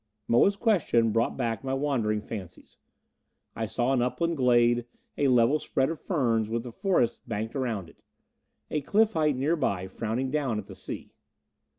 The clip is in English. Moa's question brought back my wandering fancies. I saw an upland glade, a level spread of ferns with the forest banked around it. A cliff height nearby, frowning down at the sea.